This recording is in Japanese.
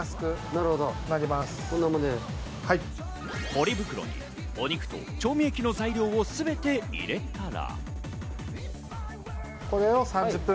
ポリ袋にお肉と調味液の材料をすべて入れたら。